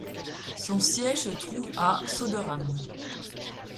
Son siège se trouve à Söderhamn.